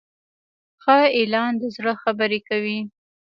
ښه اعلان د زړه خبرې کوي.